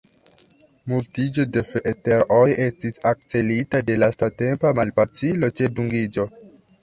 Multiĝo de freeter-oj estis akcelita de lastatempa malfacilo ĉe dungiĝo.